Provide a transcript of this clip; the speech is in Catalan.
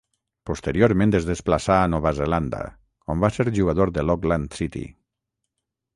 Posteriorment es desplaçà a Nova Zelanda, on va ser jugador de l'Auckland City.